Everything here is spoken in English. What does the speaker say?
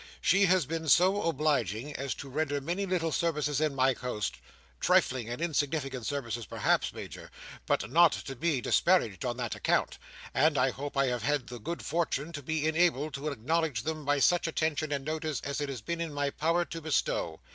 She has been so obliging as to render many little services in my house: trifling and insignificant services perhaps, Major, but not to be disparaged on that account: and I hope I have had the good fortune to be enabled to acknowledge them by such attention and notice as it has been in my power to bestow.